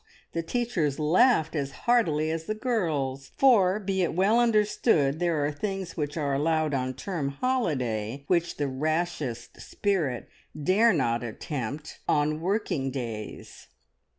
the teachers laughed as heartily as the girls; for be it well understood there are things which are allowed on term holiday which the rashest spirit dare not attempt on working days!